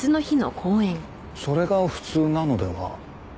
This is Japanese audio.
それが普通なのでは？